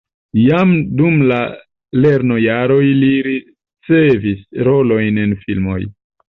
Jam dum la lernojaroj li ricevis rolojn en filmoj.